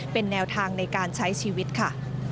เป็นแนวทางในการใช้ชีวิตค่ะ